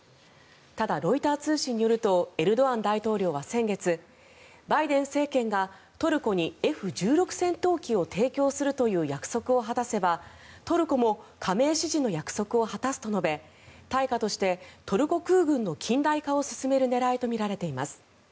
ただ、ロイター通信によるとエルドアン大統領は先月バイデン政権がトルコにＦ１６戦闘機を提供するという約束を果たせばトルコも加盟支持の約束を果たすと述べ対価としてトルコ空軍の近代化を進める狙いとみられています。